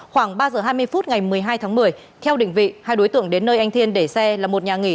khoảng ba giờ hai mươi phút ngày một mươi hai tháng một mươi theo định vị hai đối tượng đến nơi anh thiên để xe là một nhà nghỉ